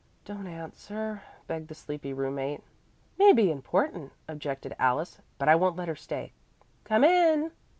"Don't answer," begged the sleepy roommate. "May be important," objected Alice, "but I won't let her stay. Come in!"